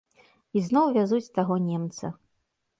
Ізноў вязуць таго немца.